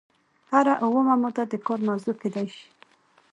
هره اومه ماده د کار موضوع کیدای شي.